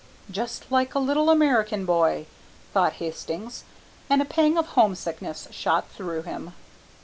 "Just like a little American boy," thought Hastings, and a pang of homesickness shot through him.